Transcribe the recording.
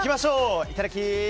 いただき！